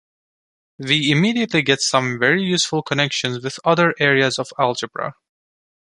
We immediately get some very useful connections with other areas of algebra.